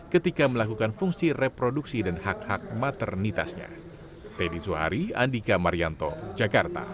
ketika melakukan fungsi reproduksi dan hak hak maternitasnya